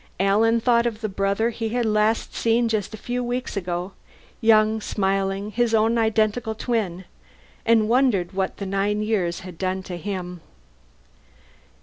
_ Alan thought of the brother he had last seen just a few weeks ago, young, smiling, his own identical twin and wondered what the nine extra years had done to him.